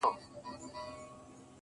زما د ښار ځوان~